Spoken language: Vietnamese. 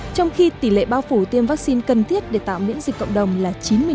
trong khi tỷ lệ bao phủ tiêm vaccine cần thiết để tạo miễn dịch cộng đồng là chín mươi năm